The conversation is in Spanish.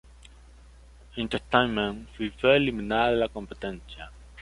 Entertainment y fue eliminada de la competencia.